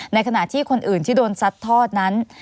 ในขณะที่คนอื่นที่โดนซัดทอดนั้น